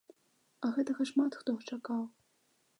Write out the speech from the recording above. А гэтага шмат хто чакаў.